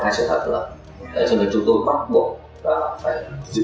là phải giữ lại